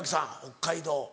北海道。